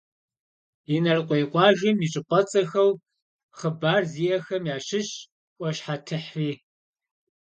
Инарыкъуей къуажэм и щӏыпӏэцӏэхэу хъыбар зиӏэхэм ящыщщ «ӏуащхьэтыхьри».